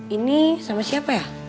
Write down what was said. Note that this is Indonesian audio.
ini sama siapa ya